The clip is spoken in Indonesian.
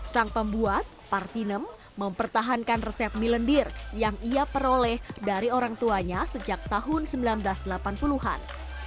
sang pembuat partinem mempertahankan resep mie lendir yang ia peroleh dari orang tuanya sejak tahun seribu sembilan ratus delapan puluh an